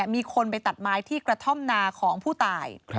มีคนไปตัดไม้ที่กระท่อมนาของผู้ตาย